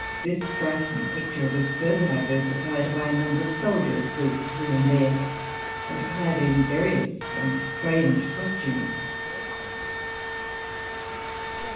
This striking picture was further diversified by a number of soldiers grouped here and there, and clad in various and strange costumes."